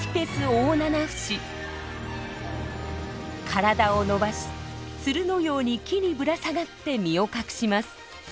体を伸ばしつるのように木にぶら下がって身を隠します。